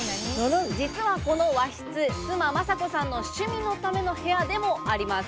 実はこの和室、妻・まさ子さんの趣味のための部屋でもあります。